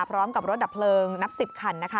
พร้อมกับรถดับเพลิงนับ๑๐คัน